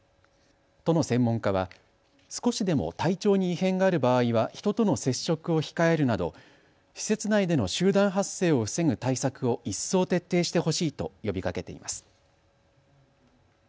都の専門家は少しでも体調に異変がある場合は人との接触を控えるなど施設内での集団発生を防ぐ対策を一層徹底してほしいと呼びかけています。